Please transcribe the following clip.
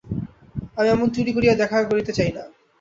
আমি অমন চুরি করিয়া দেখা করিতে চাই না।